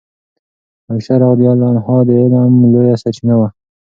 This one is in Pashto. عائشه رضی الله عنها د علم لویه سرچینه وه.